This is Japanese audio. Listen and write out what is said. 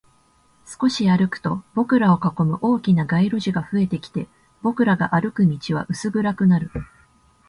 少し歩くと、僕らを囲む大きな街路樹が増えてきて、僕らが歩く道は薄暗くなる